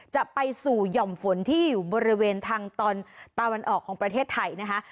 จะไปสู่หย่อมฝนที่อยู่บริเวณทางตอนตะวันออกของประเทศไทยนะคะ